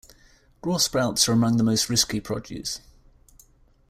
Raw sprouts are among the most risky produce.